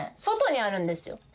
外にあるんですよ。